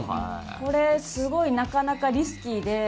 これ、すごいなかなかリスキーで。